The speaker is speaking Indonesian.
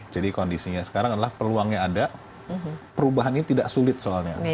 jadi kondisinya sekarang adalah peluangnya ada perubahannya tidak sulit soalnya